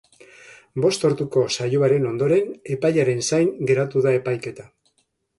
Bost orduko saioaren ondoren, epaiaren zain geratu da epaiketa.